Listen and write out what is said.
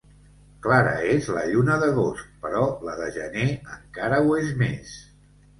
Clara és la lluna d'agost, però la de gener, encara ho és més.